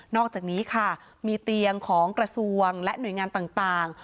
อกจากนี้ค่ะมีเตียงของกระทรวงและหน่วยงานต่าง